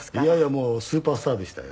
もうスーパースターでしたよ。